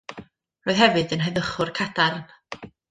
Roedd hefyd yn heddychwr cadarn.